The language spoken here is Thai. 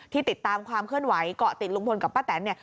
ติดตามความเคลื่อนไหวเกาะติดลุงพลกับป้าแตนเนี่ย